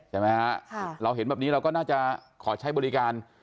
ใช่ไหมฮะเราเห็นแบบนี้เราก็น่าจะขอใช้บริการ